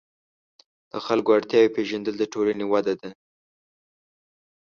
د خلکو اړتیاوې پېژندل د ټولنې وده ده.